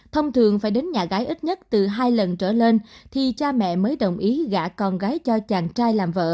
thông thường phải đến nhà gái ít nhất từ hai lần trở lên thì cha mẹ mới đồng ý gã con gái cho chàng trai làm vợ